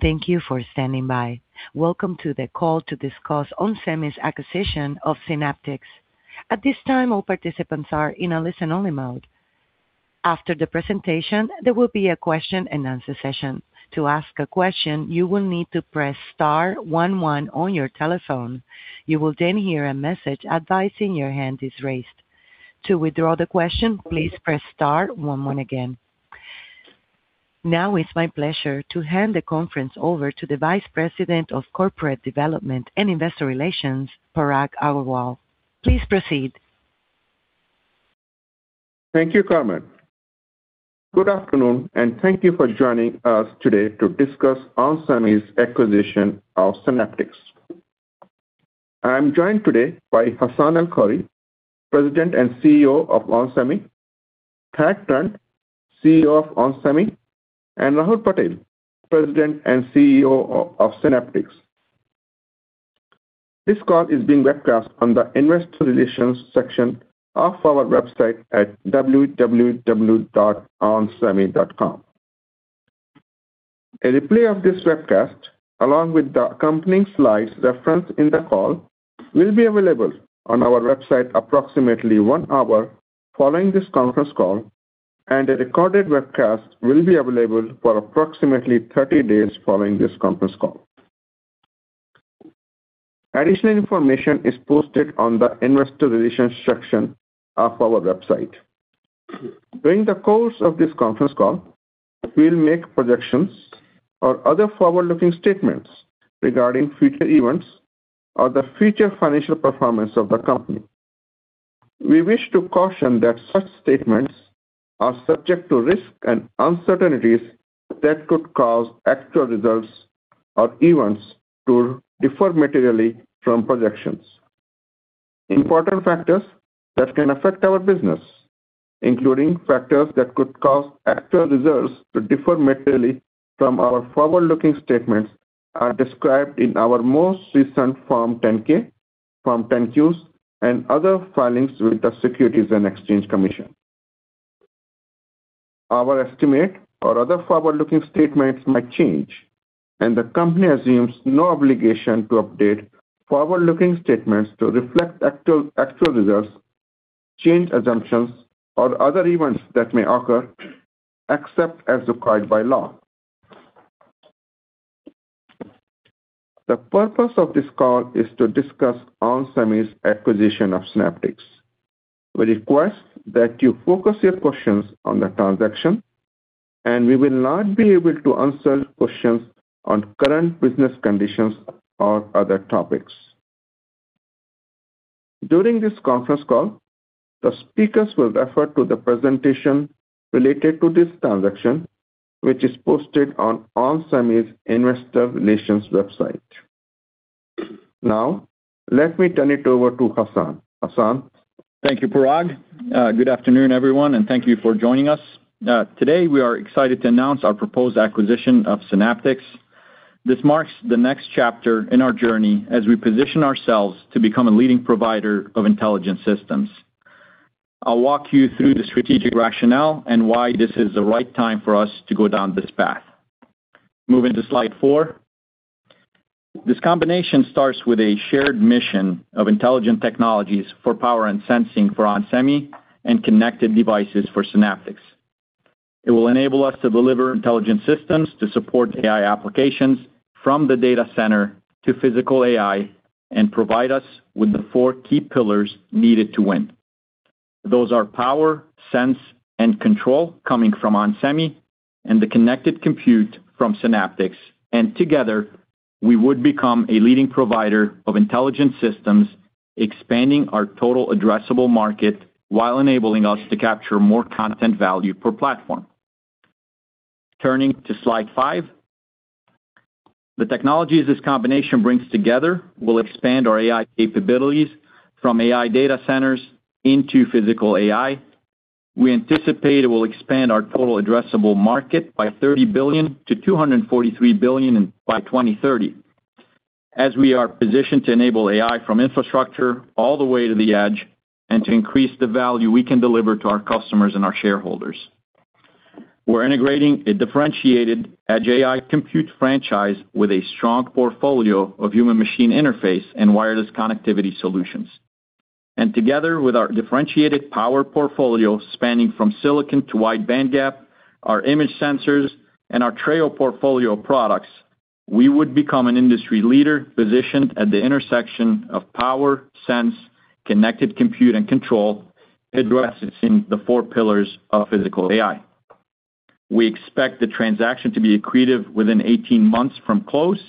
Thank you for standing by. Welcome to the call to discuss onsemi's acquisition of Synaptics. At this time, all participants are in a listen-only mode. After the presentation, there will be a question-and-answer session. To ask a question, you will need to press star one one on your telephone. You will then hear a message advising your hand is raised. To withdraw the question, please press star one one again. Now it's my pleasure to hand the conference over to the Vice President of Corporate Development and Investor Relations, Parag Agarwal. Please proceed. Thank you, Carmen. Good afternoon, and thank you for joining us today to discuss onsemi's acquisition of Synaptics. I am joined today by Hassane El-Khoury, President and CEO of onsemi, Thad Trent, CFO of onsemi, and Rahul Patel, President and CEO of Synaptics. This call is being webcast on the Investor Relations section of our website at www.onsemi.com. A replay of this webcast, along with the accompanying slides referenced in the call, will be available on our website approximately one hour following this conference call, and a recorded webcast will be available for approximately 30 days following this conference call. Additional information is posted on the Investor Relations section of our website. During the course of this conference call, we'll make projections or other forward-looking statements regarding future events or the future financial performance of the company. We wish to caution that such statements are subject to risks and uncertainties that could cause actual results or events to differ materially from projections. Important factors that can affect our business, including factors that could cause actual results to differ materially from our forward-looking statements, are described in our most recent Form 10-K, Form 10-Q, and other filings with the Securities and Exchange Commission. Our estimate or other forward-looking statements might change. The company assumes no obligation to update forward-looking statements to reflect actual results, change assumptions, or other events that may occur, except as required by law. The purpose of this call is to discuss onsemi's acquisition of Synaptics. We request that you focus your questions on the transaction. We will not be able to answer questions on current business conditions or other topics. During this conference call, the speakers will refer to the presentation related to this transaction, which is posted on onsemi's Investor Relations website. Let me turn it over to Hassan. Hassan? Thank you, Parag. Good afternoon, everyone, and thank you for joining us. Today, we are excited to announce our proposed acquisition of Synaptics. This marks the next chapter in our journey as we position ourselves to become a leading provider of intelligent systems. I'll walk you through the strategic rationale and why this is the right time for us to go down this path. Moving to slide four. This combination starts with a shared mission of intelligent technologies for power and sensing for onsemi and connected devices for Synaptics. It will enable us to deliver intelligent systems to support AI applications from the data center to physical AI and provide us with the four key pillars needed to win. Those are power, sense, and control coming from onsemi and the connected compute from Synaptics. Together, we would become a leading provider of intelligent systems, expanding our total addressable market while enabling us to capture more content value per platform. Turning to slide five. The technologies this combination brings together will expand our AI capabilities from AI data centers into physical AI. We anticipate it will expand our total addressable market by $30 billion to $243 billion by 2030, as we are positioned to enable AI from infrastructure all the way to the edge and to increase the value we can deliver to our customers and our shareholders. We're integrating a differentiated edge AI compute franchise with a strong portfolio of human machine interface and wireless connectivity solutions. Together with our differentiated power portfolio spanning from silicon to wide bandgap, our image sensors, and our Treo portfolio of products, we would become an industry leader positioned at the intersection of power, sense, connected compute, and control, addressing the four pillars of physical AI. We expect the transaction to be accretive within 18 months from close,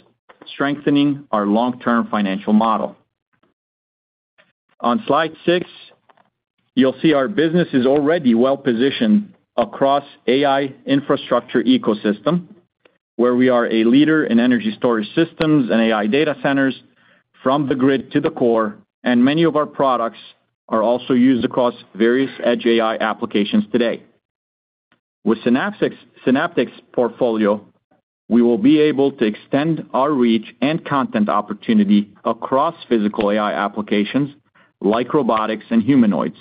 strengthening our long-term financial model. On slide six, you'll see our business is already well-positioned across AI infrastructure ecosystem, where we are a leader in energy storage systems and AI data centers from the grid to the core, and many of our products are also used across various edge AI applications today. With Synaptics' portfolio, we will be able to extend our reach and content opportunity across physical AI applications like robotics and humanoids.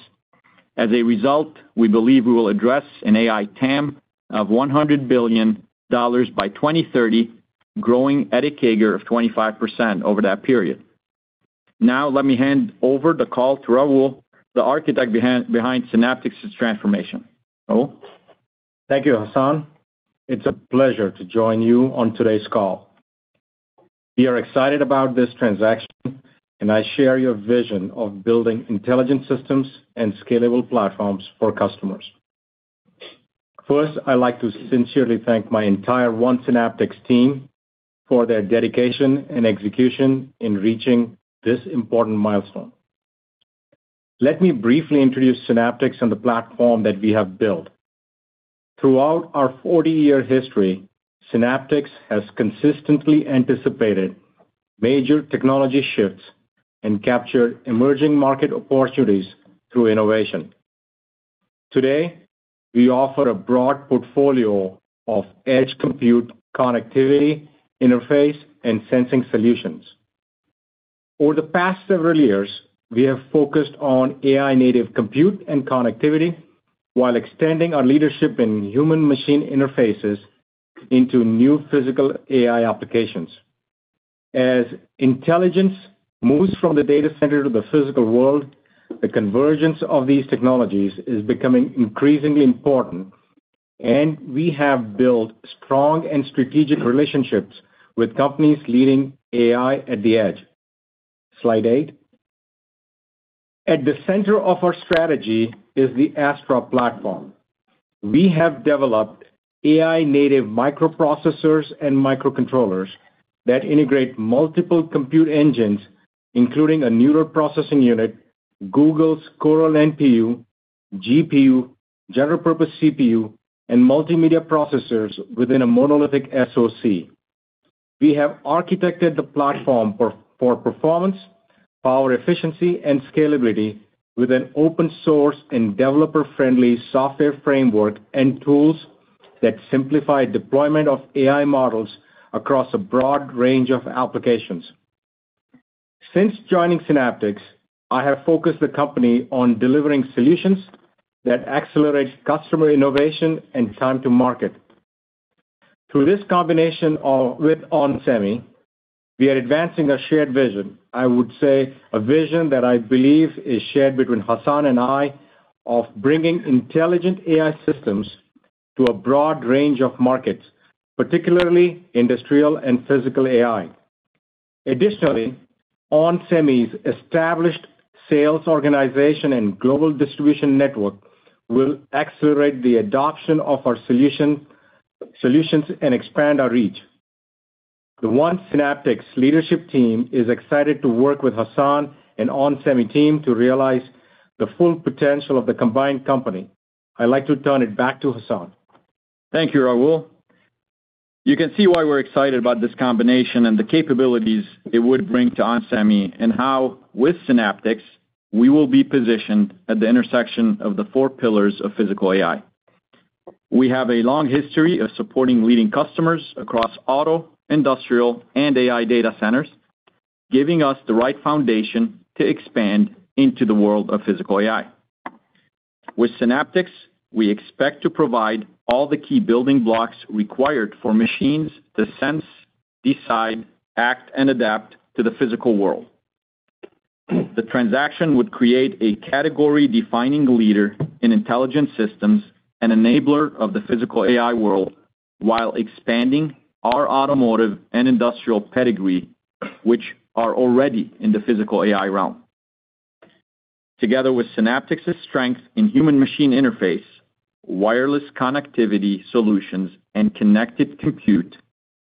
As a result, we believe we will address an AI TAM of $100 billion by 2030, growing at a CAGR of 25% over that period. Now let me hand over the call to Rahul, the architect behind Synaptics' transformation. Rahul? Thank you, Hassan. It's a pleasure to join you on today's call. We are excited about this transaction, and I share your vision of building intelligent systems and scalable platforms for customers. First, I'd like to sincerely thank my entire one Synaptics team for their dedication and execution in reaching this important milestone. Let me briefly introduce Synaptics and the platform that we have built. Throughout our 40-year history, Synaptics has consistently anticipated major technology shifts and captured emerging market opportunities through innovation. Today, we offer a broad portfolio of edge compute, connectivity, interface, and sensing solutions. Over the past several years, we have focused on AI-native compute and connectivity while extending our leadership in human-machine interfaces into new physical AI applications. As intelligence moves from the data center to the physical world, the convergence of these technologies is becoming increasingly important. We have built strong and strategic relationships with companies leading AI at the edge. Slide eight. At the center of our strategy is the Astra platform. We have developed AI-native microprocessors and microcontrollers that integrate multiple compute engines, including a neural processing unit, Google's Coral NPU, GPU, general purpose CPU, and multimedia processors within a monolithic SoC. We have architected the platform for performance, power efficiency, and scalability with an open source and developer-friendly software framework and tools that simplify deployment of AI models across a broad range of applications. Since joining Synaptics, I have focused the company on delivering solutions that accelerate customer innovation and time to market. Through this combination with onsemi, we are advancing a shared vision, I would say a vision that I believe is shared between Hassan and I, of bringing intelligent AI systems to a broad range of markets, particularly industrial and physical AI. Additionally, onsemi's established sales organization and global distribution network will accelerate the adoption of our solutions and expand our reach. The one Synaptics leadership team is excited to work with Hassan and onsemi team to realize the full potential of the combined company. I'd like to turn it back to Hassan. Thank you, Rahul. You can see why we're excited about this combination and the capabilities it would bring to onsemi and how, with Synaptics, we will be positioned at the intersection of the four pillars of physical AI. We have a long history of supporting leading customers across auto, industrial, and AI data centers, giving us the right foundation to expand into the world of physical AI. With Synaptics, we expect to provide all the key building blocks required for machines to sense, decide, act, and adapt to the physical world. The transaction would create a category-defining leader in intelligent systems and enabler of the physical AI world while expanding our automotive and industrial pedigree, which are already in the physical AI realm. Together with Synaptics' strength in human machine interface, wireless connectivity solutions, and connected compute,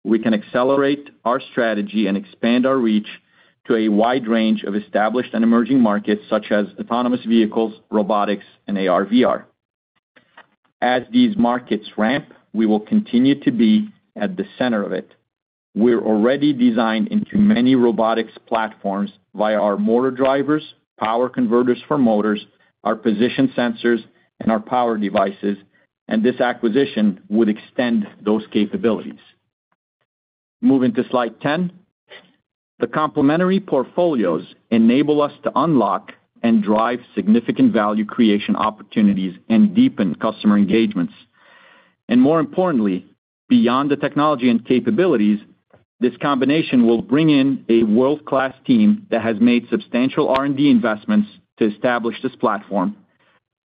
we can accelerate our strategy and expand our reach to a wide range of established and emerging markets, such as autonomous vehicles, robotics, and AR/VR. As these markets ramp, we will continue to be at the center of it. We're already designed into many robotics platforms via our motor drivers, power converters for motors, our position sensors, and our power devices, and this acquisition would extend those capabilities. Moving to slide 10. The complementary portfolios enable us to unlock and drive significant value creation opportunities and deepen customer engagements. More importantly, beyond the technology and capabilities, this combination will bring in a world-class team that has made substantial R&D investments to establish this platform,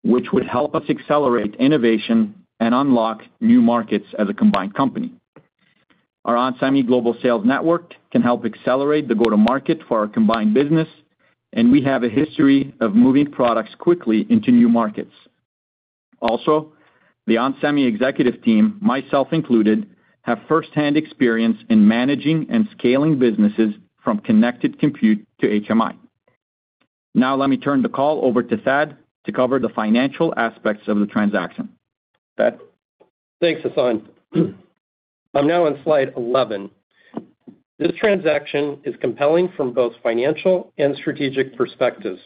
which would help us accelerate innovation and unlock new markets as a combined company. Our onsemi global sales network can help accelerate the go-to-market for our combined business, and we have a history of moving products quickly into new markets. Also, the onsemi executive team, myself included, have firsthand experience in managing and scaling businesses from connected compute to HMI. Now let me turn the call over to Thad to cover the financial aspects of the transaction. Thad? Thanks, Hassan. I'm now on slide 11. This transaction is compelling from both financial and strategic perspectives.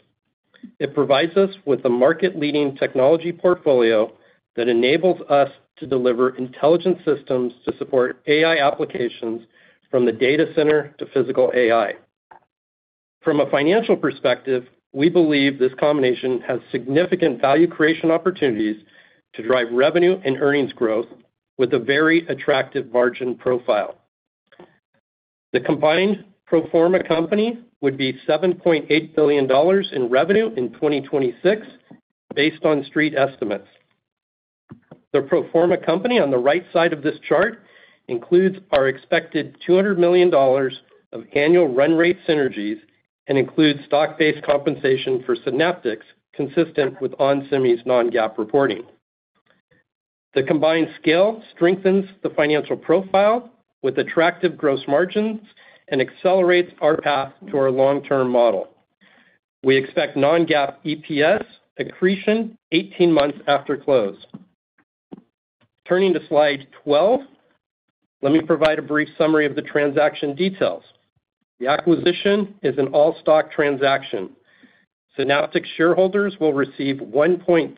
It provides us with a market-leading technology portfolio that enables us to deliver intelligent systems to support AI applications from the data center to physical AI. From a financial perspective, we believe this combination has significant value creation opportunities to drive revenue and earnings growth with a very attractive margin profile. The combined pro forma company would be $7.8 billion in revenue in 2026 based on Street estimates. The pro forma company on the right side of this chart includes our expected $200 million of annual run rate synergies and includes stock-based compensation for Synaptics consistent with onsemi's non-GAAP reporting. The combined scale strengthens the financial profile with attractive gross margins and accelerates our path to our long-term model. We expect non-GAAP EPS accretion 18 months after close. Turning to slide 12, let me provide a brief summary of the transaction details. The acquisition is an all-stock transaction. Synaptics shareholders will receive 1.35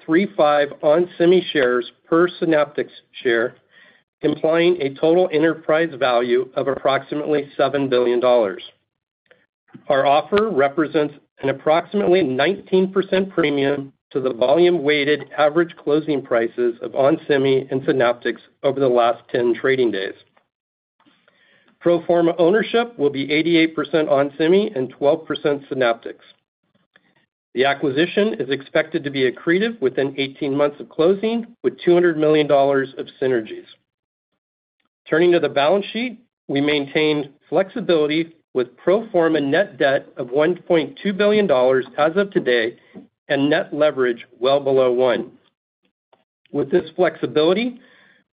onsemi shares per Synaptics share, implying a total enterprise value of approximately $7 billion. Our offer represents an approximately 19% premium to the volume-weighted average closing prices of onsemi and Synaptics over the last 10 trading days. Pro forma ownership will be 88% onsemi and 12% Synaptics. The acquisition is expected to be accretive within 18 months of closing with $200 million of synergies. Turning to the balance sheet, we maintained flexibility with pro forma net debt of $1.2 billion as of today and net leverage well below one. With this flexibility,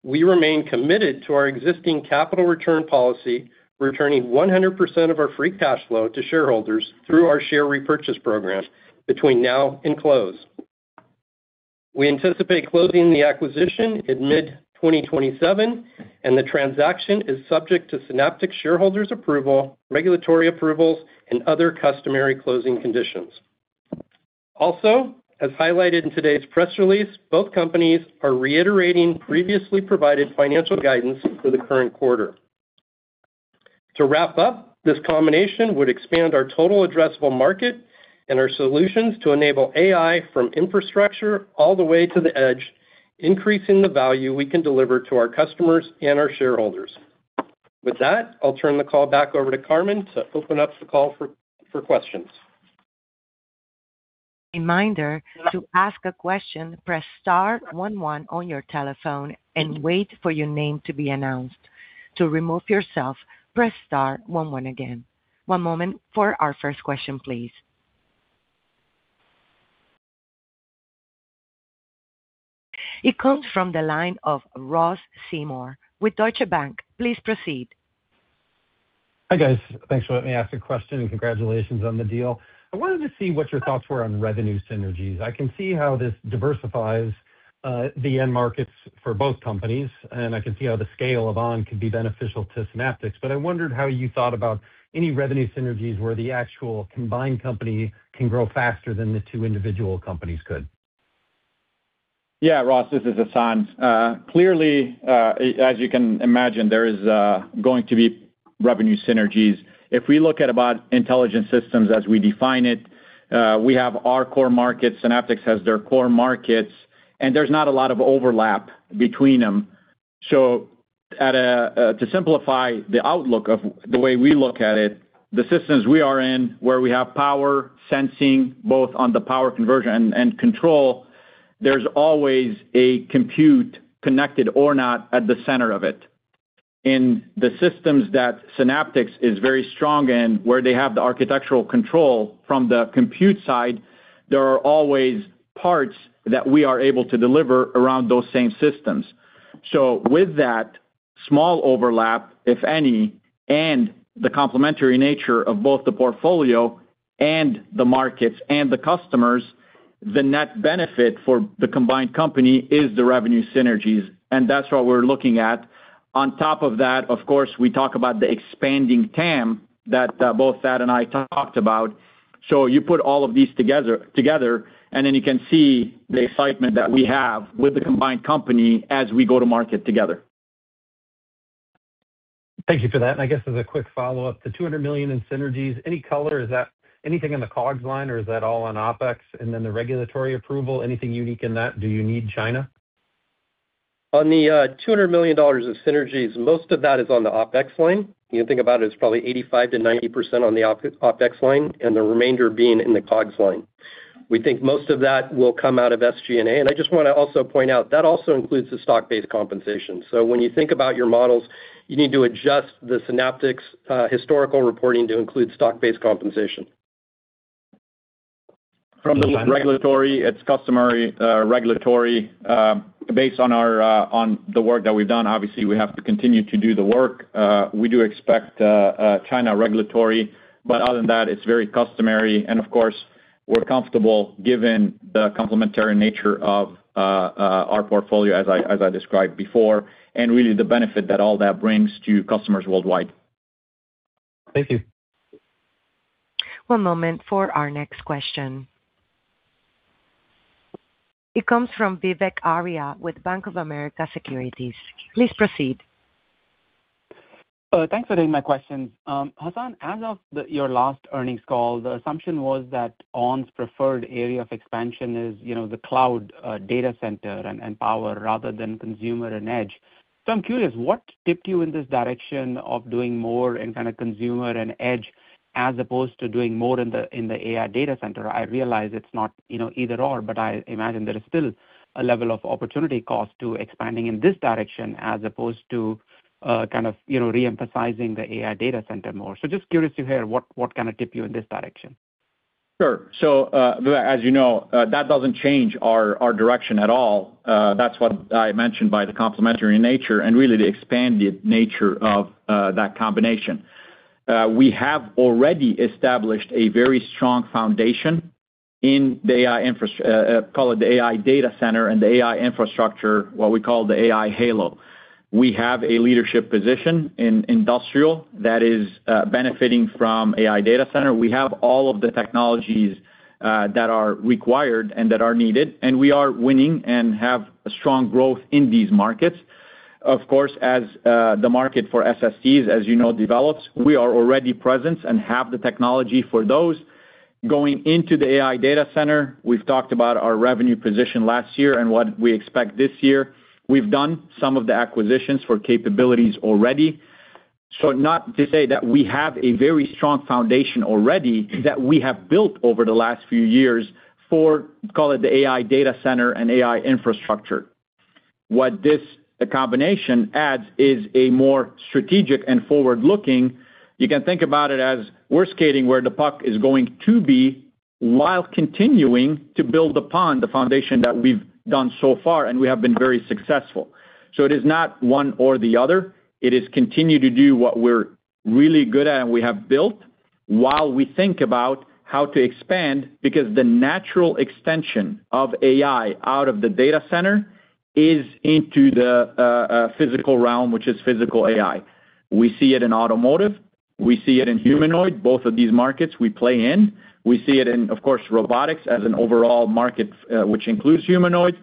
we remain committed to our existing capital return policy, returning 100% of our free cash flow to shareholders through our share repurchase program between now and close. We anticipate closing the acquisition in mid-2027, and the transaction is subject to Synaptics shareholders' approval, regulatory approvals, and other customary closing conditions. As highlighted in today's press release, both companies are reiterating previously provided financial guidance for the current quarter. This combination would expand our total addressable market and our solutions to enable AI from infrastructure all the way to the edge, increasing the value we can deliver to our customers and our shareholders. With that, I'll turn the call back over to Carmen to open up the call for questions. Reminder: to ask a question, press star one one on your telephone and wait for your name to be announced. To remove yourself, press star one one again. One moment for our first question, please. It comes from the line of Ross Seymore with Deutsche Bank. Please proceed. Hi, guys. Thanks for letting me ask a question and congratulations on the deal. I wanted to see what your thoughts were on revenue synergies. I can see how this diversifies the end markets for both companies, and I can see how the scale of onsemi could be beneficial to Synaptics. But I wondered how you thought about any revenue synergies where the actual combined company can grow faster than the two individual companies could. Ross, this is Hassan. Clearly, as you can imagine, there is going to be revenue synergies. If we look at about intelligent systems as we define it, we have our core markets, Synaptics has their core markets, and there's not a lot of overlap between them. To simplify the outlook of the way we look at it, the systems we are in, where we have power sensing, both on the power conversion and control, there's always a compute connected or not at the center of it. In the systems that Synaptics is very strong in, where they have the architectural control from the compute side, there are always parts that we are able to deliver around those same systems. With that small overlap, if any, and the complementary nature of both the portfolio and the markets and the customers, the net benefit for the combined company is the revenue synergies, and that's what we're looking at. On top of that, of course, we talk about the expanding TAM that both Thad and I talked about. You put all of these together, and then you can see the excitement that we have with the combined company as we go to market together. Thank you for that. I guess as a quick follow-up, the $200 million in synergies, any color? Is that anything in the COGS line or is that all on OpEx? Then the regulatory approval, anything unique in that? Do you need China? On the $200 million of synergies, most of that is on the OpEx line. You can think about it as probably 85%-90% on the OpEx line, and the remainder being in the COGS line. We think most of that will come out of SG&A. I just want to also point out, that also includes the stock-based compensation. When you think about your models, you need to adjust the Synaptics historical reporting to include stock-based compensation. From the regulatory, it's customary regulatory based on the work that we've done. Obviously, we have to continue to do the work. We do expect China regulatory, other than that, it's very customary. Of course, we're comfortable given the complementary nature of our portfolio as I described before, and really the benefit that all that brings to customers worldwide. Thank you. One moment for our next question. It comes from Vivek Arya with Bank of America Securities. Please proceed. Thanks for taking my questions. Hassan, as of your last earnings call, the assumption was that onsemi's preferred area of expansion is the cloud data center and power, rather than consumer and edge. I'm curious what tipped you in this direction of doing more in kind of consumer and edge, as opposed to doing more in the AI data center? I realize it's not either/or, but I imagine there is still a level of opportunity cost to expanding in this direction as opposed to re-emphasizing the AI data center more. Just curious to hear what kind of tipped you in this direction? Sure. As you know, that doesn't change our direction at all. That's what I mentioned by the complementary nature, and really the expanded nature of that combination. We have already established a very strong foundation in the AI infrastructure, call it the AI data center and the AI infrastructure, what we call the AI halo. We have a leadership position in industrial that is benefiting from AI data center. We have all of the technologies that are required and that are needed, and we are winning and have a strong growth in these markets. Of course, as the market for SSDs, as you know, develops, we are already present and have the technology for those. Going into the AI data center, we've talked about our revenue position last year and what we expect this year. We've done some of the acquisitions for capabilities already. Not to say that we have a very strong foundation already that we have built over the last few years for, call it the AI data center and AI infrastructure. What this combination adds is a more strategic and forward-looking. You can think about it as we're skating where the puck is going to be, while continuing to build upon the foundation that we've done so far, and we have been very successful. It is not one or the other. It is continue to do what we're really good at and we have built while we think about how to expand, because the natural extension of AI out of the data center is into the physical realm, which is physical AI. We see it in automotive, we see it in humanoid, both of these markets we play in. We see it in, of course, robotics as an overall market, which includes humanoids,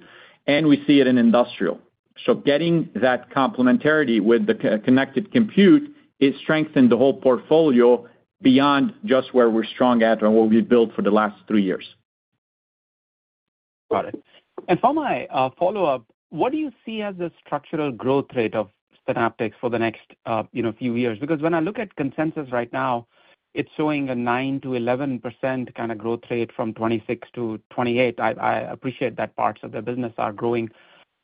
and we see it in industrial. Getting that complementarity with the connected compute, it strengthened the whole portfolio beyond just where we're strong at and what we've built for the last three years. Got it. For my follow-up, what do you see as the structural growth rate of Synaptics for the next few years? When I look at consensus right now, it's showing a 9%-11% kind of growth rate from 2026-2028. I appreciate that parts of the business are growing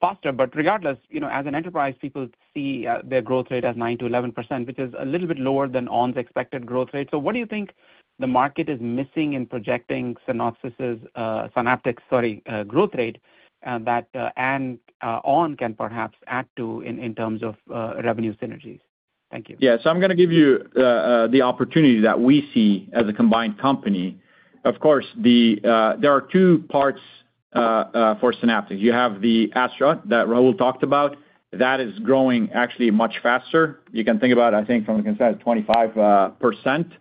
faster, but regardless, as an enterprise, people see their growth rate as 9%-11%, which is a little bit lower than ON's expected growth rate. What do you think the market is missing in projecting Synaptics growth rate that ON can perhaps add to in terms of revenue synergies? Thank you. Yeah. I'm going to give you the opportunity that we see as a combined company. Of course, there are two parts for Synaptics. You have the Astra that Rahul talked about. That is growing actually much faster. You can think about, I think from the consensus, 25%.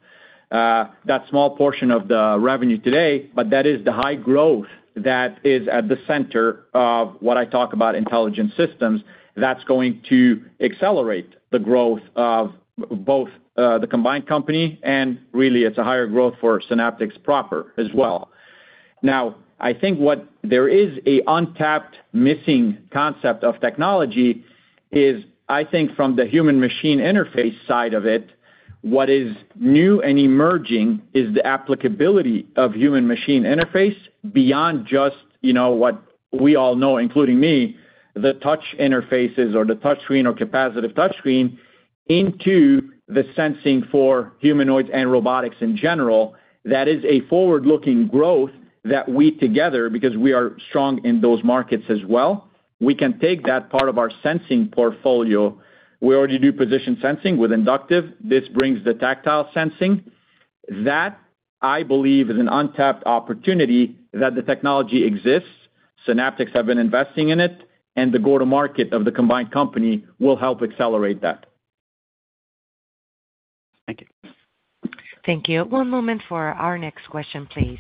That small portion of the revenue today, but that is the high growth that is at the center of what I talk about intelligent systems. That's going to accelerate the growth of both the combined company, and really it's a higher growth for Synaptics proper as well. Now, I think there is a untapped missing concept of technology is, I think from the human machine interface side of it, what is new and emerging is the applicability of human machine interface beyond just what we all know, including me, the touch interfaces or the touch screen or capacitive touch screen into the sensing for humanoids and robotics in general. That is a forward-looking growth that we together, because we are strong in those markets as well, we can take that part of our sensing portfolio. We already do position sensing with inductive. This brings the tactile sensing. That, I believe is an untapped opportunity that the technology exists, Synaptics have been investing in it, and the go-to-market of the combined company will help accelerate that. Thank you. Thank you. One moment for our next question, please.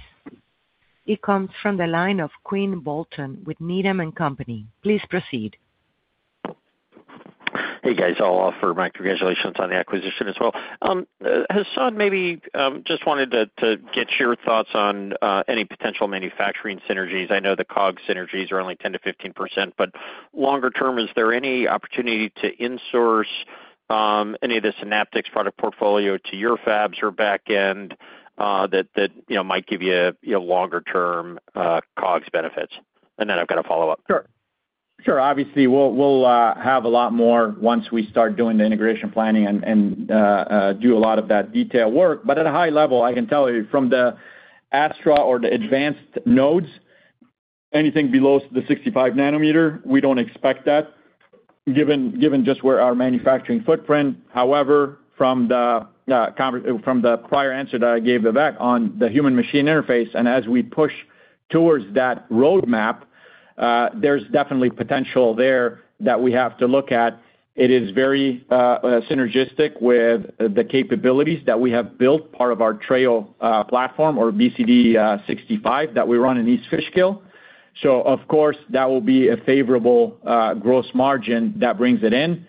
It comes from the line of Quinn Bolton with Needham & Company. Please proceed. Hey, guys. I'll offer my congratulations on the acquisition as well. Hassan, maybe just wanted to get your thoughts on any potential manufacturing synergies. I know the COGS synergies are only 10%-15%, but longer term, is there any opportunity to insource any of the Synaptics product portfolio to your fabs or back end that might give you longer term COGS benefits? I've got a follow-up. Sure. Obviously, we'll have a lot more once we start doing the integration planning and do a lot of that detailed work. At a high level, I can tell you from the Astra or the advanced nodes, anything below the 65 nanometer, we don't expect that given just where our manufacturing footprint. However, from the prior answer that I gave Vivek on the human machine interface, and as we push towards that roadmap, there's definitely potential there that we have to look at. It is very synergistic with the capabilities that we have built, part of our Treo platform or BCD65 that we run in East Fishkill. Of course, that will be a favorable gross margin that brings it in.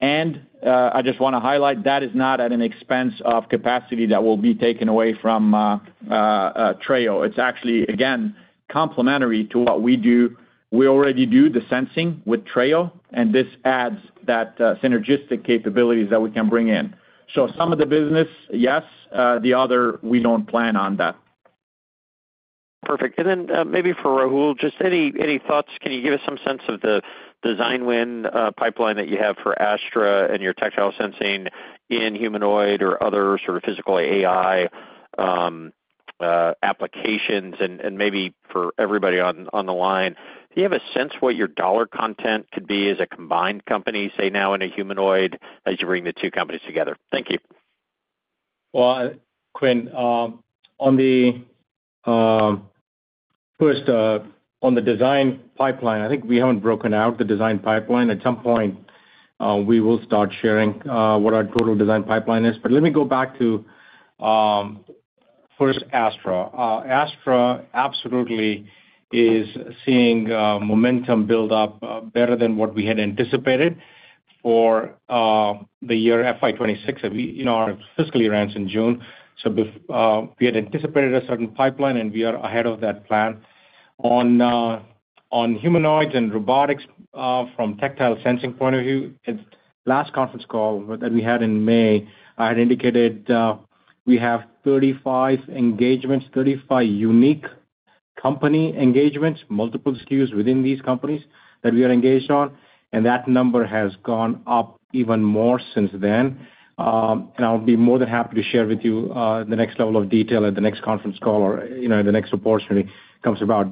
I just want to highlight, that is not at an expense of capacity that will be taken away from Treo. It's actually, again, complementary to what we do. We already do the sensing with Treo, and this adds that synergistic capabilities that we can bring in. Some of the business, yes. The other, we don't plan on that. Perfect. Maybe for Rahul, just any thoughts? Can you give us some sense of the design win pipeline that you have for Astra and your tactile sensing in humanoid or other sort of physical AI applications? Maybe for everybody on the line, do you have a sense what your $ content could be as a combined company, say now in a humanoid, as you bring the two companies together? Thank you. Well, Quinn, first, on the design pipeline, I think we haven't broken out the design pipeline. At some point, we will start sharing what our total design pipeline is. Let me go back to first Astra. Astra absolutely is seeing momentum build up better than what we had anticipated for the year FY 2026. Our fiscal year ends in June. We had anticipated a certain pipeline, and we are ahead of that plan. On humanoids and robotics from tactile sensing point of view, at last conference call that we had in May, I had indicated we have 35 engagements, 35 unique company engagements, multiple SKUs within these companies that we are engaged on, and that number has gone up even more since then. I'll be more than happy to share with you the next level of detail at the next conference call or the next opportunity comes about.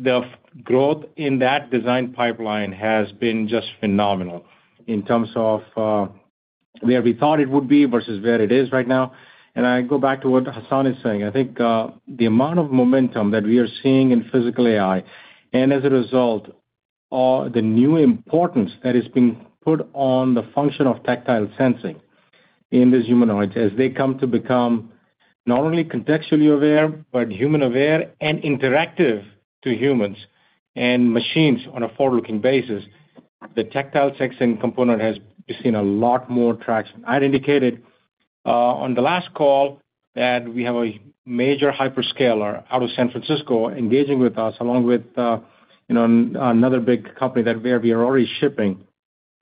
The growth in that design pipeline has been just phenomenal in terms of where we thought it would be versus where it is right now. I go back to what Hassan is saying. I think the amount of momentum that we are seeing in physical AI, and as a result, the new importance that is being put on the function of tactile sensing in these humanoids as they come to become not only contextually aware, but human aware and interactive to humans and machines on a forward-looking basis. The tactile sensing component has seen a lot more traction. I had indicated on the last call that we have a major hyperscaler out of San Francisco engaging with us, along with another big company that we are already shipping,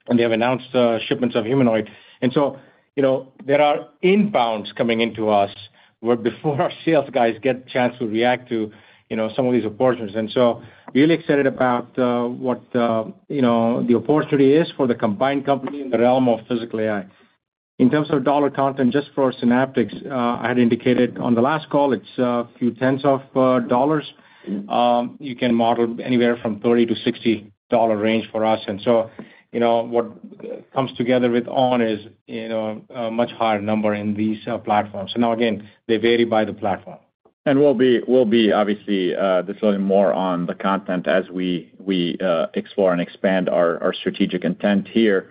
and they have announced shipments of humanoid. There are inbounds coming into us where before our sales guys get chance to react to some of these opportunities. Really excited about what the opportunity is for the combined company in the realm of physical AI. In terms of dollar content, just for Synaptics, I had indicated on the last call, it's a few tens of dollars. You can model anywhere from $30-$60 range for us. What comes together with ON is a much higher number in these platforms. Now again, they vary by the platform. We'll be obviously disclosing more on the content as we explore and expand our strategic intent here.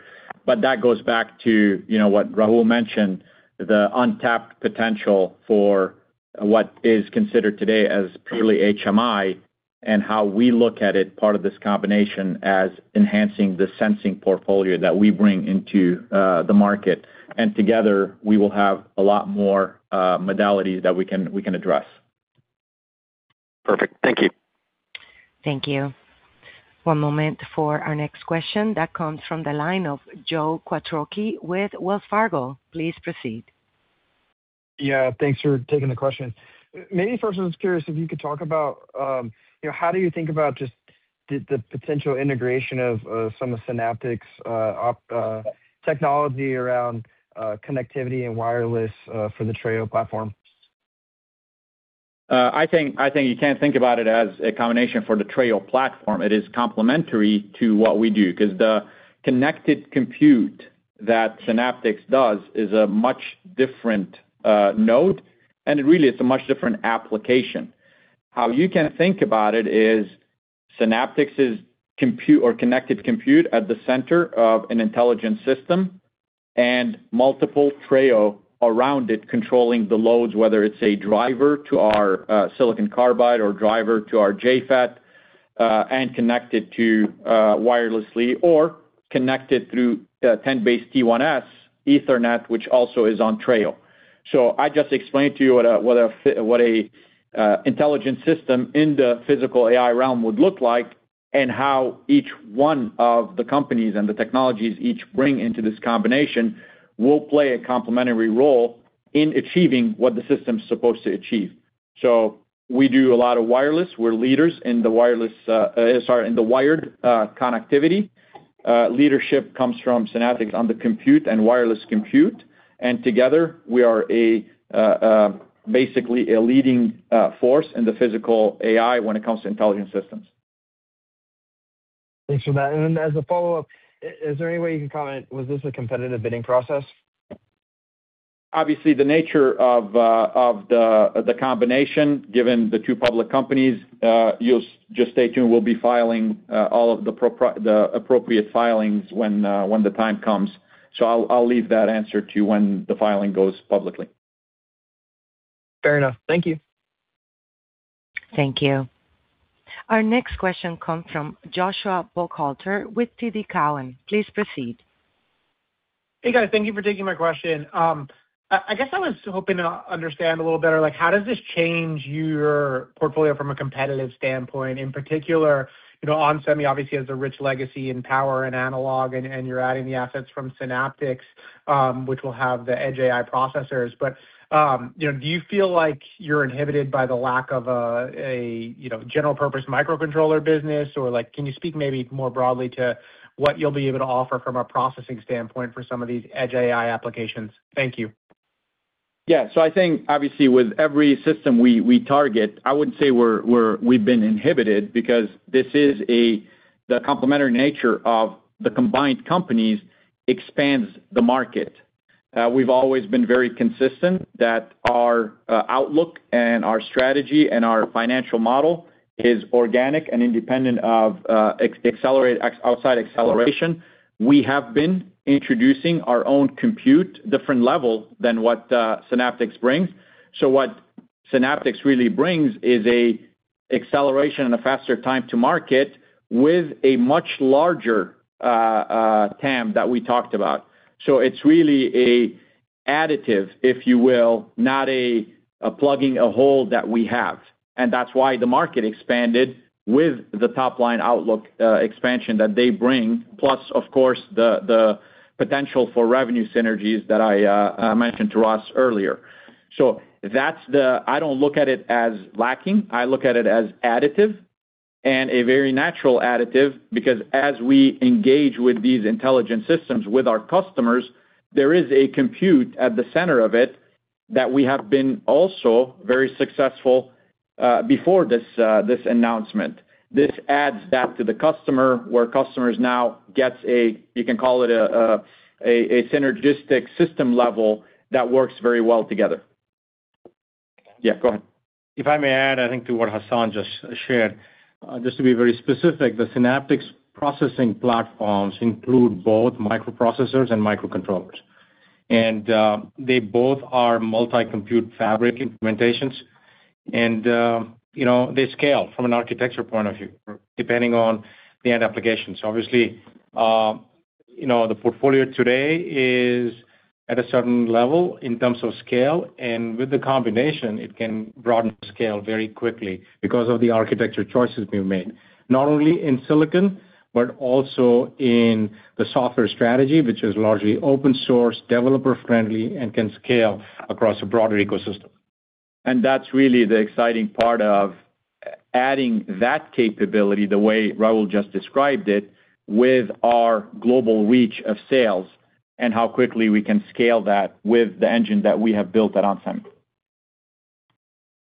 That goes back to what Rahul mentioned, the untapped potential for what is considered today as purely HMI and how we look at it, part of this combination as enhancing the sensing portfolio that we bring into the market. Together, we will have a lot more modalities that we can address. Perfect. Thank you. Thank you. One moment for our next question. That comes from the line of Joseph Quattrocchi with Wells Fargo. Please proceed. Yeah, thanks for taking the question. Maybe first, I was curious if you could talk about how do you think about just the potential integration of some of Synaptics technology around connectivity and wireless for the Treo platform? I think you can't think about it as a combination for the Treo platform. It is complementary to what we do, because the connected compute that Synaptics does is a much different node, and really it's a much different application. How you can think about it is Synaptics' compute or connected compute at the center of an intelligent system, and multiple Treo around it controlling the loads, whether it's a driver to our silicon carbide or driver to our GaN FET, and connected to wirelessly or connected through 10BASE-T1S Ethernet, which also is on Treo. I just explained to you what an intelligent system in the physical AI realm would look like and how each one of the companies and the technologies each bring into this combination will play a complementary role in achieving what the system's supposed to achieve. We do a lot of wireless. We're leaders in the wired connectivity. Leadership comes from Synaptics on the compute and wireless compute, together we are basically a leading force in the physical AI when it comes to intelligent systems. Thanks for that. As a follow-up, is there any way you can comment, was this a competitive bidding process? Obviously, the nature of the combination, given the two public companies, just stay tuned. We'll be filing all of the appropriate filings when the time comes. I'll leave that answer to when the filing goes publicly. Fair enough. Thank you. Thank you. Our next question comes from Joshua Buchalter with TD Cowen. Please proceed. Hey, guys. Thank you for taking my question. I guess I was hoping to understand a little better, how does this change your portfolio from a competitive standpoint? In particular, onsemi obviously has a rich legacy in power and analog, and you're adding the assets from Synaptics, which will have the edge AI processors. Do you feel like you're inhibited by the lack of a general purpose microcontroller business? Can you speak maybe more broadly to what you'll be able to offer from a processing standpoint for some of these edge AI applications? Thank you. Yeah. I think obviously with every system we target, I wouldn't say we've been inhibited because this is the complementary nature of the combined companies expands the market. We've always been very consistent that our outlook and our strategy and our financial model is organic and independent of outside acceleration. We have been introducing our own compute different level than what Synaptics brings. What Synaptics really brings is a acceleration and a faster time to market with a much larger TAM that we talked about. It's really a additive, if you will, not a plugging a hole that we have. That's why the market expanded with the top-line outlook expansion that they bring, plus of course, the potential for revenue synergies that I mentioned to Ross earlier. I don't look at it as lacking. I look at it as additive and a very natural additive, because as we engage with these intelligence systems with our customers, there is a compute at the center of it that we have been also very successful before this announcement. This adds that to the customer, where customers now gets a, you can call it a synergistic system level that works very well together. Yeah, go ahead. If I may add, I think, to what Hassan just shared, just to be very specific, the Synaptics processing platforms include both microprocessors and microcontrollers. They both are multi-compute fabric implementations and they scale from an architecture point of view, depending on the end application. Obviously, the portfolio today is at a certain level in terms of scale, and with the combination, it can broaden scale very quickly because of the architecture choices we've made, not only in silicon, but also in the software strategy, which is largely open source, developer friendly, and can scale across a broader ecosystem. That's really the exciting part of adding that capability, the way Rahul just described it, with our global reach of sales and how quickly we can scale that with the engine that we have built at onsemi.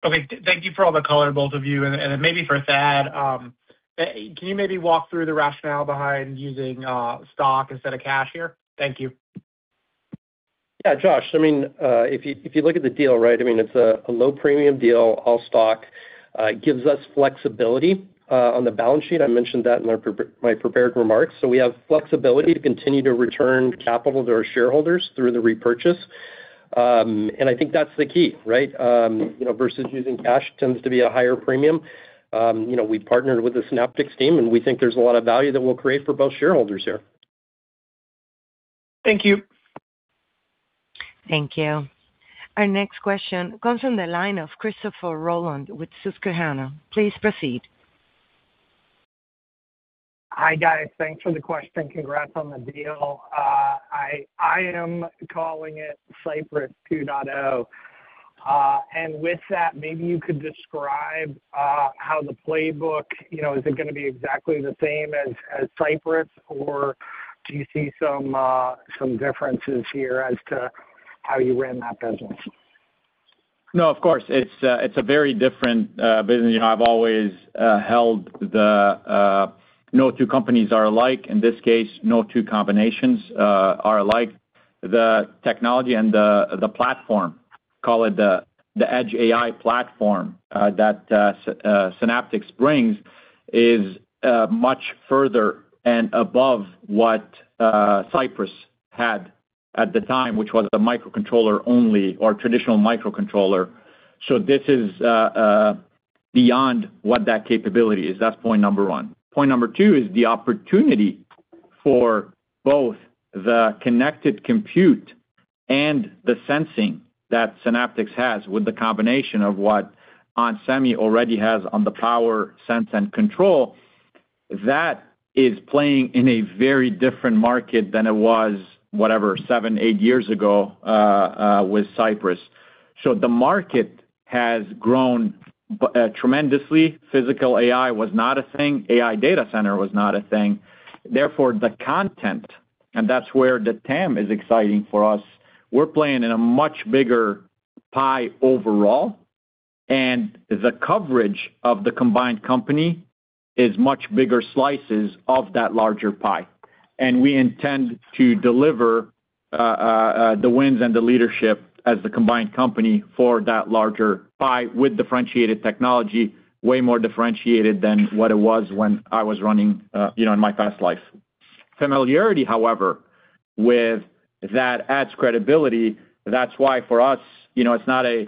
Okay. Thank you for all the color, both of you. Maybe for Thad, can you maybe walk through the rationale behind using stock instead of cash here? Thank you. Yeah, Josh. If you look at the deal, it's a low premium deal, all stock. Gives us flexibility on the balance sheet. I mentioned that in my prepared remarks. We have flexibility to continue to return capital to our shareholders through the repurchase. I think that's the key. Versus using cash tends to be a higher premium. We partnered with the Synaptics team, and we think there's a lot of value that we'll create for both shareholders here. Thank you. Thank you. Our next question comes from the line of Christopher Rolland with Susquehanna. Please proceed. Hi, guys. Thanks for the question. Congrats on the deal. I am calling it Cypress 2.0. With that, maybe you could describe how the playbook, is it going to be exactly the same as Cypress, or do you see some differences here as to how you ran that business? No, of course. It's a very different business. I've always held the no two companies are alike. In this case, no two combinations are alike. The technology and the platform, call it the edge AI platform that Synaptics brings, is much further and above what Cypress had at the time, which was a microcontroller only or traditional microcontroller. This is beyond what that capability is. That's point number one. Point number two is the opportunity for both the connected compute and the sensing that Synaptics has with the combination of what onsemi already has on the power sense and control. That is playing in a very different market than it was, whatever, seven, eight years ago with Cypress. The market has grown tremendously. Physical AI was not a thing. AI data center was not a thing. Therefore, the content, and that's where the TAM is exciting for us. We're playing in a much bigger pie overall. The coverage of the combined company is much bigger slices of that larger pie. We intend to deliver the wins and the leadership as the combined company for that larger pie with differentiated technology, way more differentiated than what it was when I was running in my past life. Familiarity, however, with that adds credibility. That's why for us, it's not a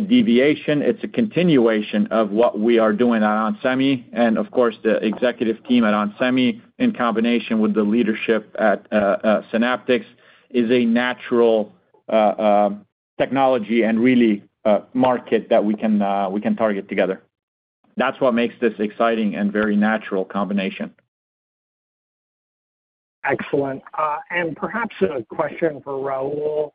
deviation, it's a continuation of what we are doing at onsemi. Of course, the executive team at onsemi, in combination with the leadership at Synaptics, is a natural technology and really market that we can target together. That's what makes this exciting and very natural combination. Excellent. Perhaps a question for Rahul.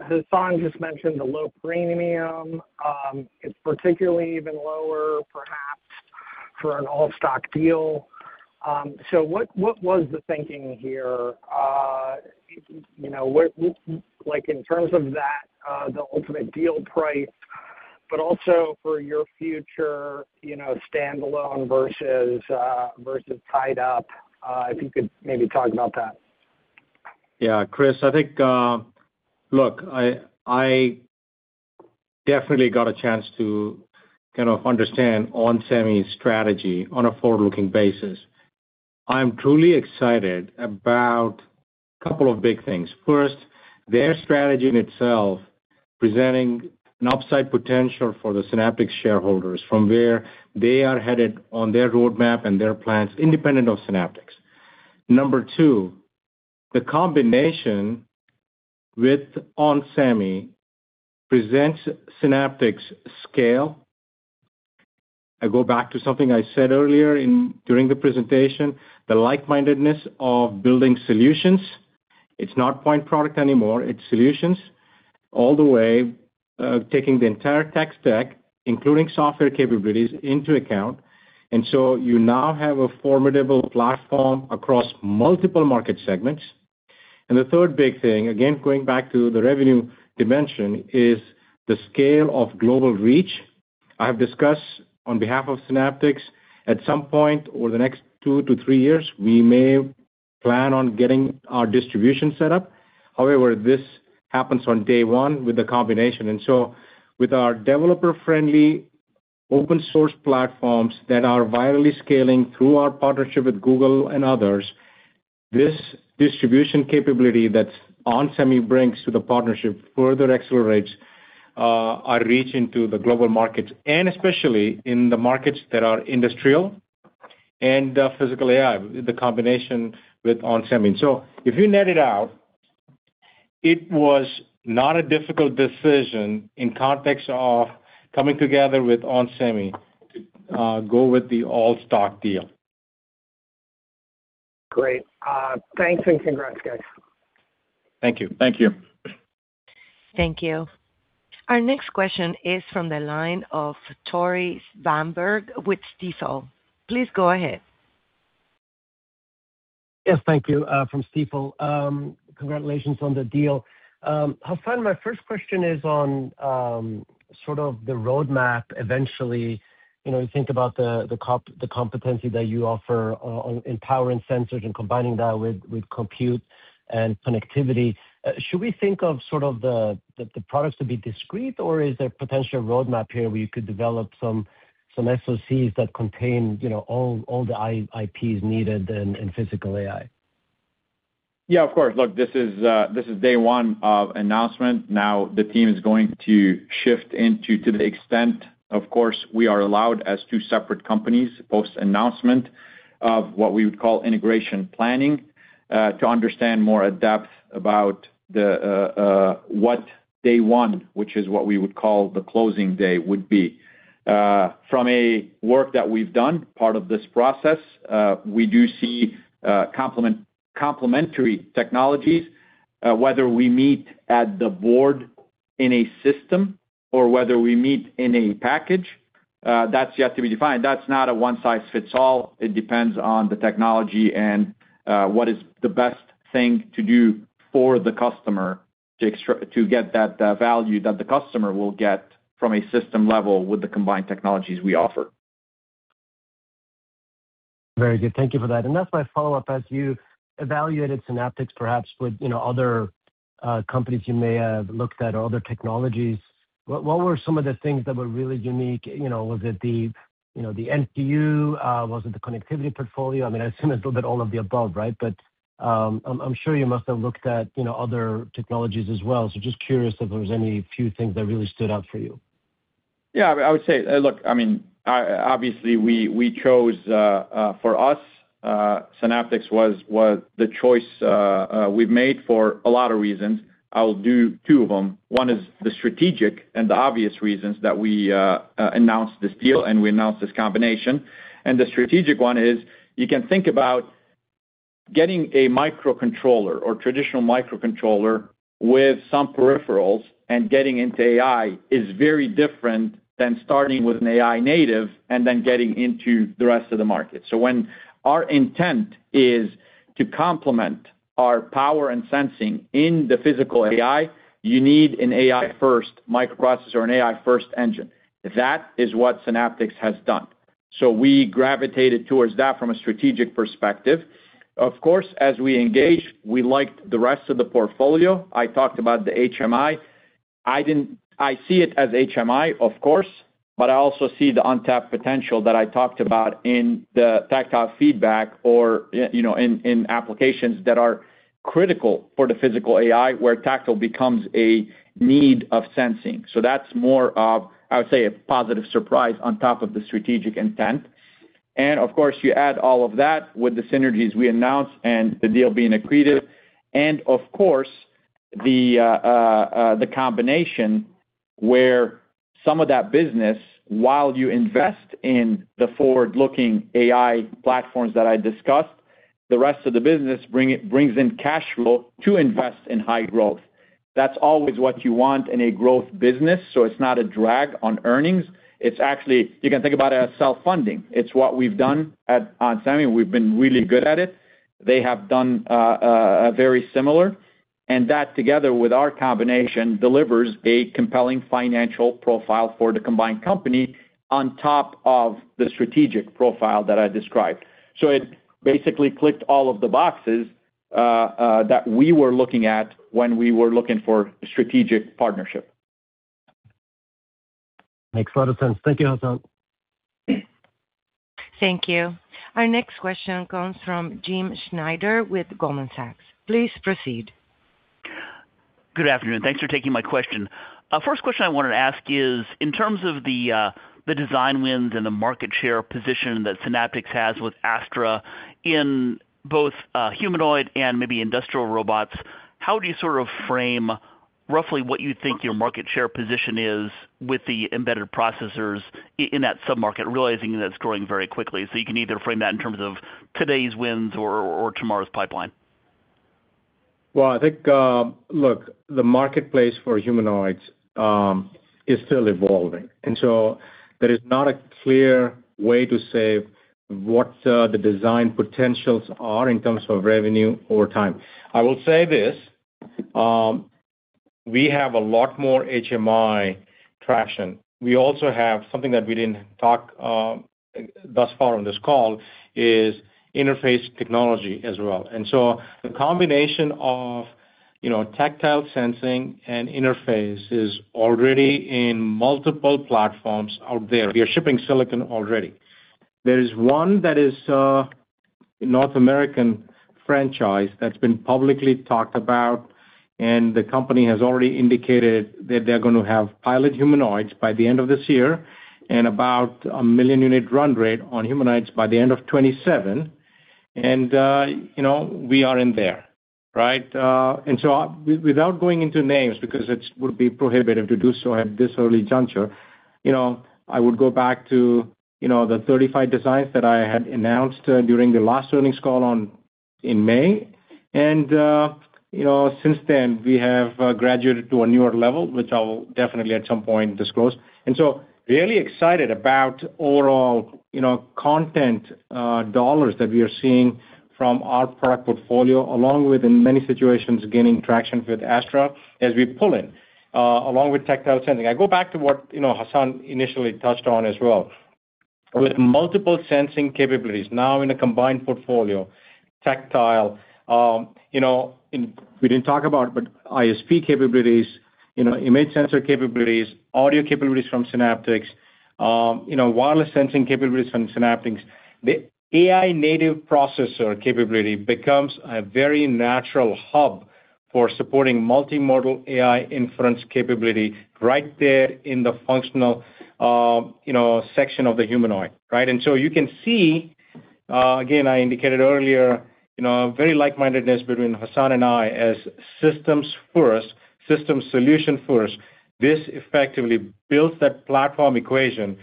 Hassan just mentioned the low premium. It's particularly even lower, perhaps, for an all-stock deal. What was the thinking here? Like, in terms of that, the ultimate deal price, but also for your future, standalone versus tied up. If you could maybe talk about that. Yeah, Chris, look, I definitely got a chance to kind of understand onsemi's strategy on a forward-looking basis. I'm truly excited about a couple of big things. First, their strategy in itself presenting an upside potential for the Synaptics shareholders from where they are headed on their roadmap and their plans, independent of Synaptics. Number two, the combination with onsemi presents Synaptics scale. I go back to something I said earlier during the presentation, the like-mindedness of building solutions. It's not point product anymore, it's solutions all the way, taking the entire tech stack, including software capabilities, into account. You now have a formidable platform across multiple market segments. The third big thing, again, going back to the revenue dimension, is the scale of global reach. I have discussed on behalf of Synaptics, at some point over the next two to three years, we may plan on getting our distribution set up. However, this happens on day one with the combination. With our developer-friendly open source platforms that are virally scaling through our partnership with Google and others, this distribution capability that onsemi brings to the partnership further accelerates our reach into the global markets, and especially in the markets that are industrial and physical AI, the combination with onsemi. If you net it out, it was not a difficult decision in context of coming together with onsemi to go with the all-stock deal. Great. Thanks, and congrats, guys. Thank you. Thank you. Thank you. Our next question is from the line of Tore Svanberg with Stifel. Please go ahead. Yes, thank you. From Stifel. Congratulations on the deal. Hassan, my first question is on sort of the roadmap eventually. You think about the competency that you offer in power and sensors and combining that with compute and connectivity. Should we think of sort of the products to be discrete, or is there potential roadmap here where you could develop some SOCs that contain all the IPs needed in physical AI? Of course. This is day one of announcement. The team is going to shift into, to the extent, of course, we are allowed as two separate companies, post-announcement of what we would call integration planning, to understand more adapt about what day one, which is what we would call the closing day, would be. From a work that we've done, part of this process, we do see complementary technologies, whether we meet at the board in a system or whether we meet in a package. That's yet to be defined. That's not a one-size-fits-all. It depends on the technology and what is the best thing to do for the customer to get that value that the customer will get from a system level with the combined technologies we offer. Very good. Thank you for that. That's my follow-up. As you evaluated Synaptics, perhaps with other companies you may have looked at or other technologies, what were some of the things that were really unique? Was it the NPU? Was it the connectivity portfolio? I assume it's a little bit all of the above, right? I'm sure you must have looked at other technologies as well. Just curious if there was any few things that really stood out for you. We chose, for us, Synaptics was the choice we've made for a lot of reasons. I'll do two of them. One is the strategic and the obvious reasons that we announced this deal and we announced this combination. The strategic one is you can think about getting a microcontroller or traditional microcontroller with some peripherals and getting into AI is very different than starting with an AI native and then getting into the rest of the market. When our intent is to complement our power and sensing in the physical AI, you need an AI first microprocessor or an AI first engine. That is what Synaptics has done. We gravitated towards that from a strategic perspective. Of course, as we engaged, we liked the rest of the portfolio. I talked about the HMI. I see it as HMI, of course, but I also see the untapped potential that I talked about in the tactile feedback or in applications that are critical for the physical AI, where tactile becomes a need of sensing. That's more of, I would say, a positive surprise on top of the strategic intent. Of course, you add all of that with the synergies we announced and the deal being accretive and, of course, the combination where some of that business, while you invest in the forward-looking AI platforms that I discussed, the rest of the business brings in cash flow to invest in high growth. That's always what you want in a growth business, so it's not a drag on earnings. It's actually, you can think about it as self-funding. It's what we've done at onsemi. We've been really good at it. That together with our combination, delivers a compelling financial profile for the combined company on top of the strategic profile that I described. It basically clicked all of the boxes that we were looking at when we were looking for a strategic partnership. Makes a lot of sense. Thank you, Hassan. Thank you. Our next question comes from James Schneider with Goldman Sachs. Please proceed. Good afternoon. Thanks for taking my question. First question I wanted to ask is, in terms of the design wins and the market share position that Synaptics has with Astra in both humanoid and maybe industrial robots, how do you sort of frame roughly what you think your market share position is with the embedded processors in that sub-market, realizing that it's growing very quickly? You can either frame that in terms of today's wins or tomorrow's pipeline. Well, I think, look, the marketplace for humanoids is still evolving. There is not a clear way to say what the design potentials are in terms of revenue over time. I will say this. We have a lot more HMI traction. We also have something that we didn't talk thus far on this call, is interface technology as well. The combination of tactile sensing and interface is already in multiple platforms out there. We are shipping silicon already. There is one that is a North American franchise that's been publicly talked about, and the company has already indicated that they're going to have pilot humanoids by the end of this year and about a million-unit run rate on humanoids by the end of 2027. We are in there, right? Without going into names, because it would be prohibitive to do so at this early juncture, I would go back to the 35 designs that I had announced during the last earnings call in May. Since then, we have graduated to a newer level, which I'll definitely at some point disclose. Really excited about overall content dollars that we are seeing from our product portfolio, along with, in many situations, gaining traction with Astra as we pull in, along with tactile sensing. I go back to what Hassan initially touched on as well. With multiple sensing capabilities now in a combined portfolio, tactile, we didn't talk about ISP capabilities, image sensor capabilities, audio capabilities from Synaptics, wireless sensing capabilities from Synaptics. The AI native processor capability becomes a very natural hub for supporting multi-modal AI inference capability right there in the functional section of the humanoid, right? You can see, again, I indicated earlier, very like-mindedness between Hassan and I as systems first, systems solution first. This effectively builds that platform equation,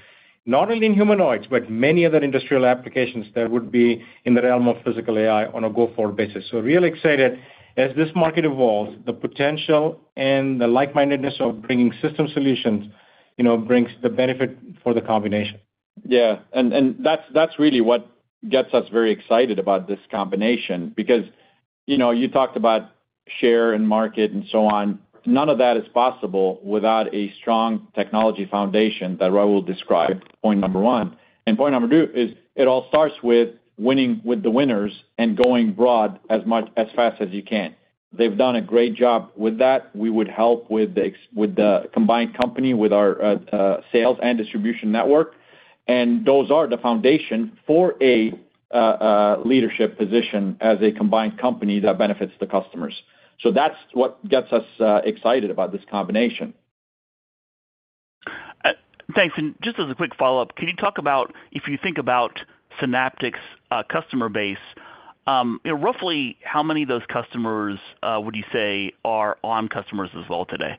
not only in humanoids, but many other industrial applications that would be in the realm of physical AI on a go-forward basis. Really excited as this market evolves, the potential and the like-mindedness of bringing system solutions brings the benefit for the combination. Yeah. That's really what gets us very excited about this combination because you talked about share and market and so on. None of that is possible without a strong technology foundation that Rahul described, point number 1. Point number 2 is it all starts with winning with the winners and going broad as fast as you can. They've done a great job with that. We would help with the combined company, with our sales and distribution network, and those are the foundation for a leadership position as a combined company that benefits the customers. That's what gets us excited about this combination. Thanks. Just as a quick follow-up, can you talk about, if you think about Synaptics' customer base, roughly how many of those customers would you say are ON customers as well today?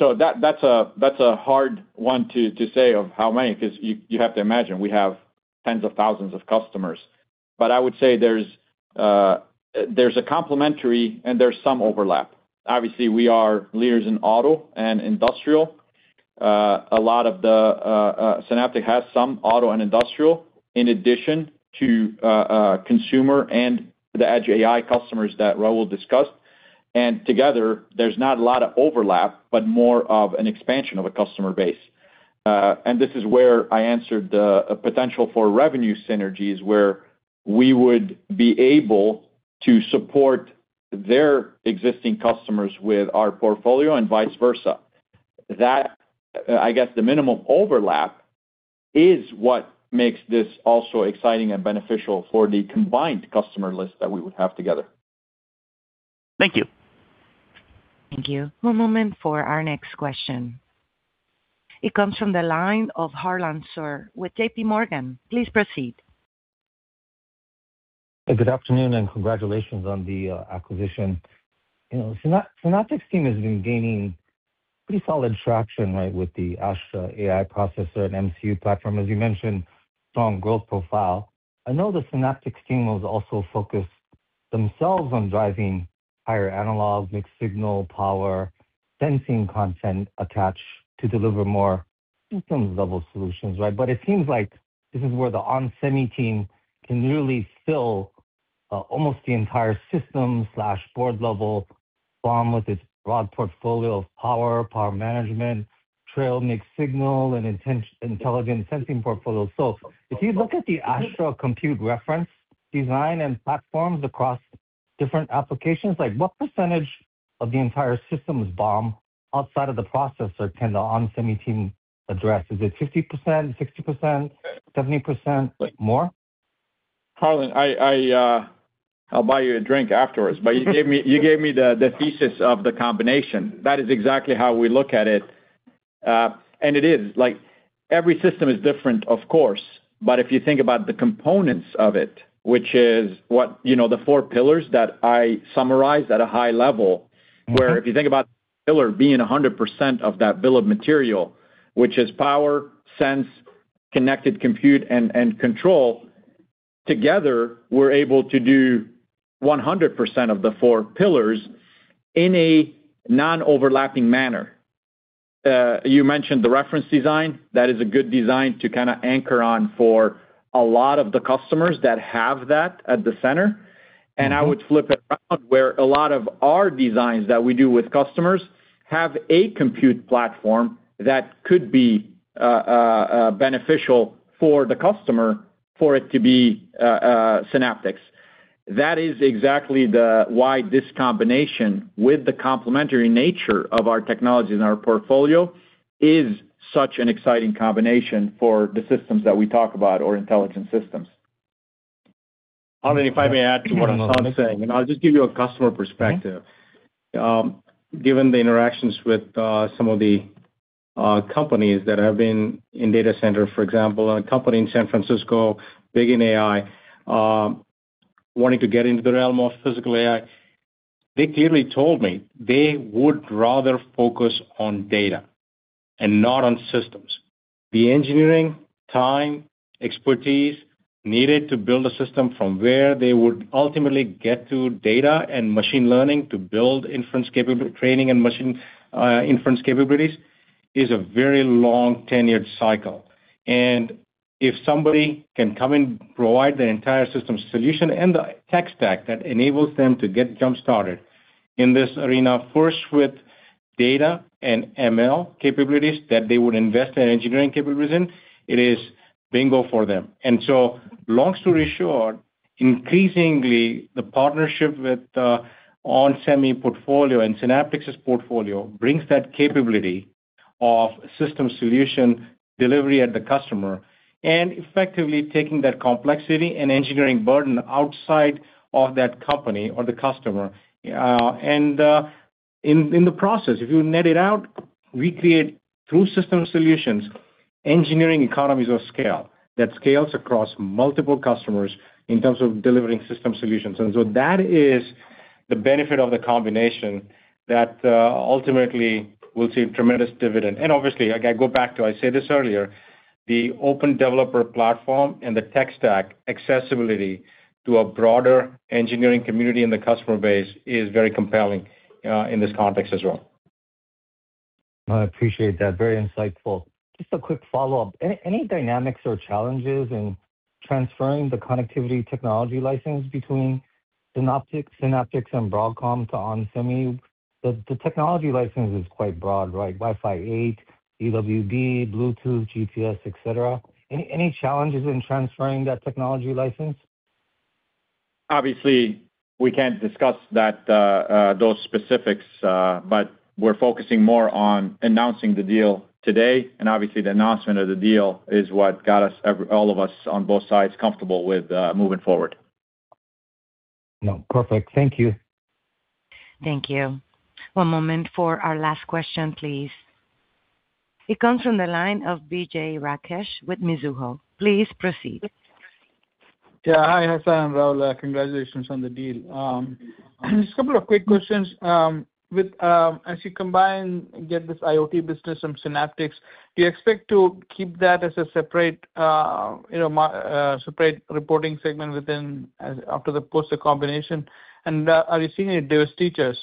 That's a hard one to say of how many, because you have to imagine we have tens of thousands of customers. I would say there's a complementary and there's some overlap. Obviously, we are leaders in auto and industrial. Synaptics has some auto and industrial in addition to consumer and the edge AI customers that Rahul discussed, together, there's not a lot of overlap, but more of an expansion of a customer base. This is where I answered the potential for revenue synergies, where we would be able to support their existing customers with our portfolio and vice versa. That, I guess the minimum overlap, is what makes this also exciting and beneficial for the combined customer list that we would have together. Thank you. Thank you. One moment for our next question. It comes from the line of Harlan Sur with JPMorgan. Please proceed. Good afternoon, congratulations on the acquisition. You know, Synaptics team has been gaining pretty solid traction with the Astra AI processor and MCU platform. As you mentioned, strong growth profile. I know the Synaptics team was also focused themselves on driving higher analog, mixed signal power, sensing content attached to deliver more systems-level solutions, right? It seems like this is where the onsemi team can really fill almost the entire system/board level BOM with its broad portfolio of power management, Treo mixed signal, and intelligent sensing portfolio. If you look at the Astra compute reference design and platforms across different applications, what percentage of the entire system is BOM outside of the processor can the onsemi team address? Is it 50%, 60%, 70%? More? Harlan, I'll buy you a drink afterwards, but you gave me the thesis of the combination. That is exactly how we look at it. It is. Every system is different, of course. If you think about the components of it, which is the four pillars that I summarized at a high level, where if you think about pillar being 100% of that bill of material, which is power, sense, connected compute, and control, together, we're able to do 100% of the four pillars in a non-overlapping manner. You mentioned the reference design. That is a good design to kind of anchor on for a lot of the customers that have that at the center. And I would flip it around where a lot of our designs that we do with customers have a compute platform that could be beneficial for the customer for it to be Synaptics. That is exactly why this combination with the complementary nature of our technology and our portfolio is such an exciting combination for the systems that we talk about or intelligent systems. Harlan, if I may add to what Hassan's saying, and I'll just give you a customer perspective. Okay. Given the interactions with some of the companies that have been in data center, for example, a company in San Francisco, big in AI, wanting to get into the realm of physical AI, they clearly told me they would rather focus on data and not on systems. The engineering time, expertise needed to build a system from where they would ultimately get to data and machine learning to build training and machine inference capabilities is a very long-tenured cycle. If somebody can come and provide the entire system solution and the tech stack that enables them to get jump-started in this arena, first with data and ML capabilities that they would invest in engineering capabilities in, it is bingo for them. Long story short, increasingly, the partnership with onsemi portfolio and Synaptics' portfolio brings that capability of system solution delivery at the customer and effectively taking that complexity and engineering burden outside of that company or the customer. In the process, if you net it out, we create true system solutions, engineering economies of scale that scales across multiple customers in terms of delivering system solutions. That is the benefit of the combination that ultimately will see a tremendous dividend. Obviously, I go back to, I said this earlier, the open developer platform and the tech stack accessibility to a broader engineering community and the customer base is very compelling in this context as well. I appreciate that. Very insightful. Just a quick follow-up. Any dynamics or challenges in transferring the connectivity technology license between Synaptics and Broadcom to onsemi? The technology license is quite broad, right? Wi-Fi 8, UWB, Bluetooth, GPS, et cetera. Any challenges in transferring that technology license? Obviously, we can't discuss those specifics, but we're focusing more on announcing the deal today, and obviously the announcement of the deal is what got all of us on both sides comfortable with moving forward. No. Perfect. Thank you. Thank you. One moment for our last question, please. It comes from the line of Vijay Rakesh with Mizuho. Please proceed. Yeah. Hi, Hassan, Rahul. Congratulations on the deal. Just a couple of quick questions. As you combine, get this IoT business from Synaptics, do you expect to keep that as a separate reporting segment within after the post of combination? Are you seeing any divestitures,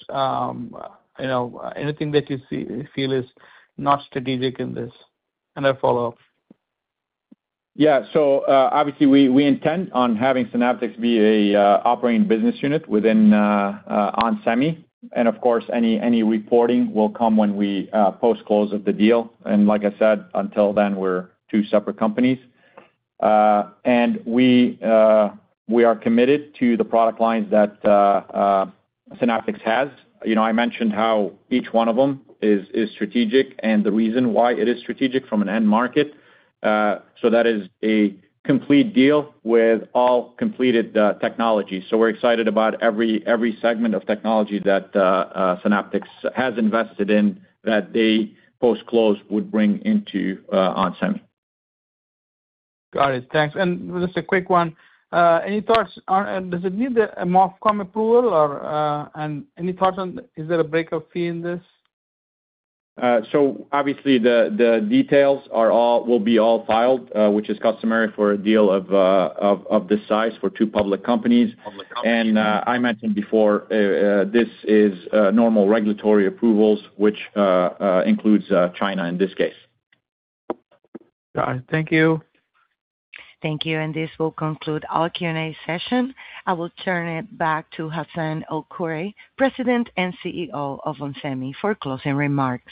anything that you feel is not strategic in this? A follow-up Yeah. Obviously, we intend on having Synaptics be an operating business unit within onsemi. Of course, any reporting will come when we post-close of the deal. Like I said, until then, we're two separate companies. We are committed to the product lines that Synaptics has. I mentioned how each one of them is strategic and the reason why it is strategic from an end market. That is a complete deal with all completed technology. We're excited about every segment of technology that Synaptics has invested in that they post-close would bring into onsemi. Got it. Thanks. Just a quick one. Any thoughts on, does it need a MoFCOM approval or any thoughts on, is there a breakup fee in this? Obviously the details will be all filed, which is customary for a deal of this size for two public companies. I mentioned before this is normal regulatory approvals, which includes China in this case. Got it. Thank you. Thank you. This will conclude our Q&A session. I will turn it back to Hassane El-Khoury, President and Chief Executive Officer of onsemi, for closing remarks.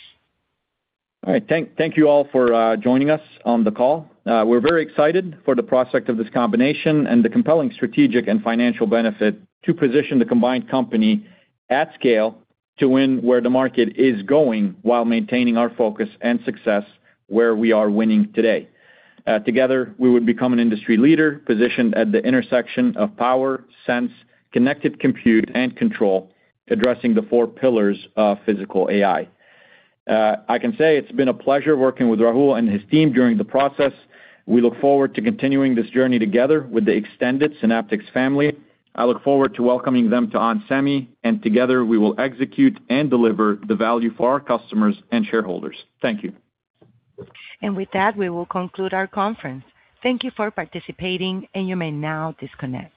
All right. Thank you all for joining us on the call. We're very excited for the prospect of this combination and the compelling strategic and financial benefit to position the combined company at scale to win where the market is going while maintaining our focus and success where we are winning today. Together, we would become an industry leader positioned at the intersection of power, sense, connected compute, and control, addressing the four pillars of physical AI. I can say it's been a pleasure working with Rahul and his team during the process. We look forward to continuing this journey together with the extended Synaptics family. I look forward to welcoming them to onsemi. Together, we will execute and deliver the value for our customers and shareholders. Thank you. With that, we will conclude our conference. Thank you for participating, and you may now disconnect.